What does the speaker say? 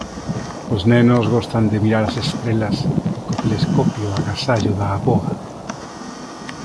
Os nenos gostan de mirar as estrelas co telescopio agasallo da avoa.